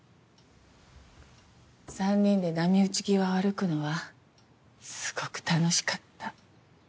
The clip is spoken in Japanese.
３人で波打ち際を歩くのはすごく楽しかった。